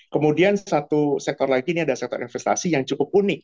kemudian satu sektor lagi ini ada sektor investasi yang cukup unik